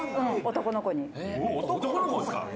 「男の子ですか？」